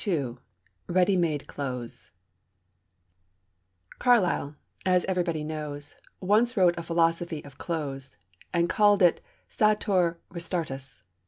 II READY MADE CLOTHES Carlyle, as everybody knows, once wrote a Philosophy of Clothes, and called it Sartor Resartus.